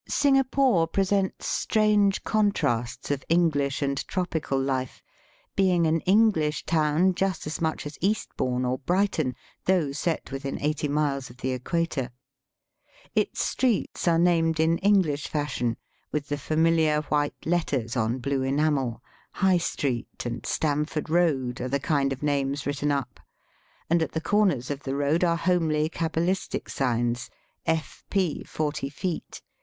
Singapore presents strange contrasts of English and tropical life, being an Enghsh town just as much as Eastbourne or Brighton, though set within eighty miles of the Equator. Its streets are named in English fashion, with VOL. 11. f^8 Digitized by VjOOQIC 130 EAST BY WEST. the familiar white letters on blue enamel. '' High Street " and " Stamford Eoad " are the kind of names written up, and at the comers of the road are homely cabalistic signs, ''F.P. 40 ft.